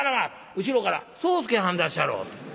後ろから『宗助はんだっしゃろ』。